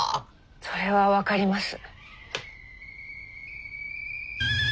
それは分かります。